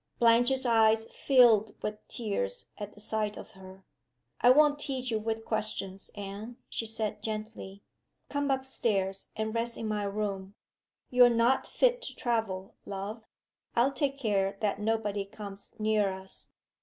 Blanche's eyes filled with tears at the sight of her. "I won't tease you with questions, Anne," she said, gently. "Come up stairs and rest in my room. You're not fit to travel, love. I'll take care that nobody comes near us."